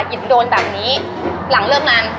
หยินโดนแบบนี้หลังเริ่มร้าน